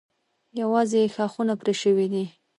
یوازې یې ښاخونه پرې شوي دي.